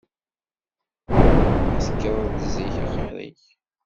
Ma tekkreḍ-d zik axir-ik.